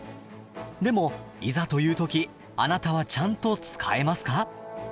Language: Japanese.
でもいざという時あなたはちゃんと使えますか？